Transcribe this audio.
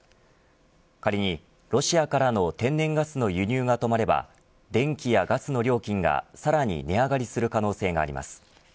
仮にロシアからの天然ガスの輸入が止まれば電気やガスの料金がさらに値上がりする可能性があります。